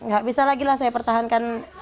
gak bisa lagi lah saya pertahankan